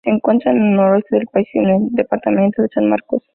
Se encuentra en el suroeste del país, en el departamento de San Marcos.